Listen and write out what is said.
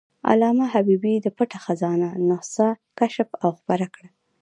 علامه حبیبي د "پټه خزانه" نسخه کشف او خپره کړه.